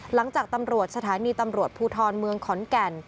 หลังจากตำรวจสถานีตำรวจภูทรเมืองขอนแก่น